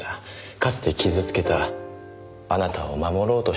かつて傷つけたあなたを守ろうとしたんじゃないですか？